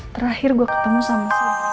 terakhir gue ketemu sama